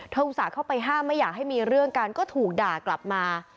อุตส่าห์เข้าไปห้ามไม่อยากให้มีเรื่องกันก็ถูกด่ากลับมา